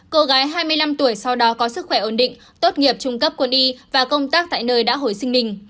cô gái hai mươi năm tuổi sau đó có sức khỏe ổn định tốt nghiệp trung cấp quân y và công tác tại nơi đã hồi sinh mình